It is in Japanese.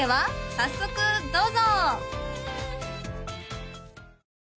早速どうぞ！